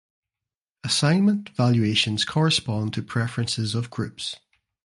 Assignment valuations correspond to preferences of groups.